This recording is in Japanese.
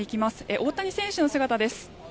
大谷選手の姿です。